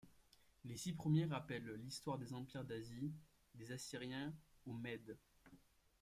Les six premiers rappellent l'histoire des empires d'Asie, des Assyriens aux Mèdes.